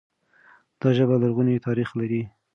دا ژبه لرغونی تاريخ لري.